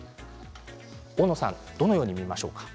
大野さん、どのように見ますか？